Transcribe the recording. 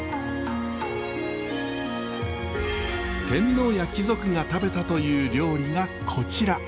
天皇や貴族が食べたという料理がこちら。